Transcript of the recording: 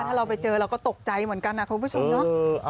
ถ้าเราไปเจอเราก็ตกใจเหมือนกันนะคุณผู้ชมเนาะ